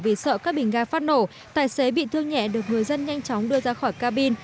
vì sợ các bình ga phát nổ tài xế bị thương nhẹ được người dân nhanh chóng đưa ra khỏi cabin